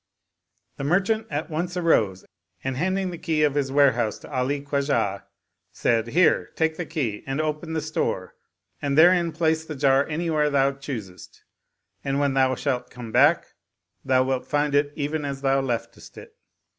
The merchant at once arose and handing the key of his ware house to Ali Khwajah said, " Here, take the key and open the store and therein place the jar anywhere thou choosest, and when thou shalt come back thou wilt find it even as thou leftest it."